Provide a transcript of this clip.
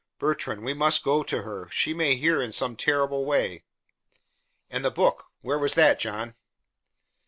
"Bertrand, we must go to her. She may hear in some terrible way." "And the book, where was that, John?"